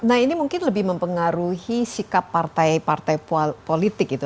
nah ini mungkin lebih mempengaruhi sikap partai partai politik gitu